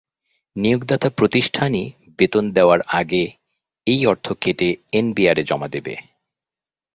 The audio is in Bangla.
নিয়োগদাতা প্রতিষ্ঠানই বেতন দেওয়ার আগে এই অর্থ কেটে এনবিআরে জমা দেবে।